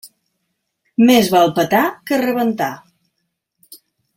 Més val petar que rebentar.